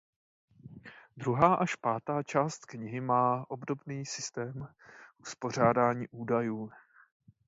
Druhá až pátá část knihy má obdobný systém uspořádání údajů.